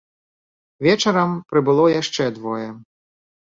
Вечарам прыбыло яшчэ двое.